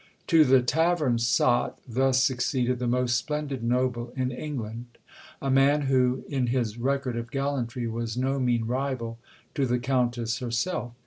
To the tavern sot thus succeeded the most splendid noble in England, a man who, in his record of gallantry, was no mean rival to the Countess herself.